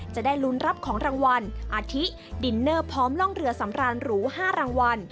จะได้ลุ้นรับของรางวัลอาทิดินเนอร์พร้อมล่องเรือสำรานหรู๕รางวัล